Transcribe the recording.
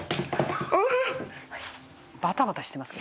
「バタバタしてます」